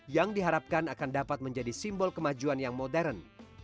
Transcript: yang diharapkan akan dapat menjadi simbol kemajuan yang modern